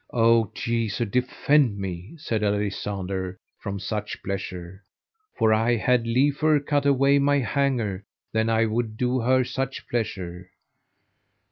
O Jesu defend me, said Alisander, from such pleasure; for I had liefer cut away my hangers than I would do her such pleasure.